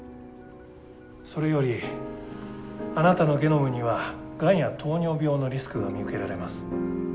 それよりあなたのゲノムにはがんや糖尿病のリスクが見受けられます。